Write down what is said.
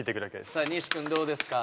さあ西君どうですか？